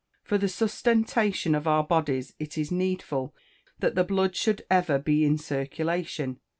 For the sustentation of our bodies it is needful that the blood should ever be in circulation.